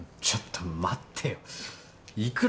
ちょっと待ってよ